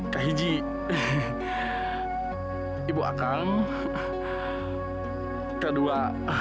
kak hiji ibu akang kedua